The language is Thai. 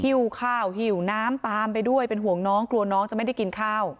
ข้าวหิวน้ำตามไปด้วยเป็นห่วงน้องกลัวน้องจะไม่ได้กินข้าว